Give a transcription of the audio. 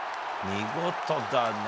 見事だね。